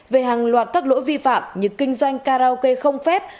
về hàng loạt các lỗi vi phạm như kinh doanh karaoke không phép